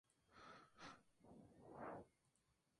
Ernesto Álvarez jugaba de volante por la izquierda.